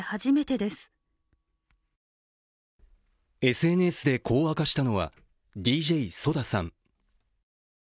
ＳＮＳでこう明かしたのはＤＪＳＯＤＡさん。